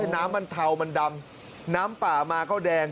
น้ำมันเทามันดำน้ำป่ามาก็แดง